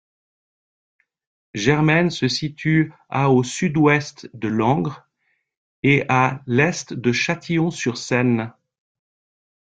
Germaines se situe à au sud-ouest de Langres et à à l'est de Châtillon-sur-Seine.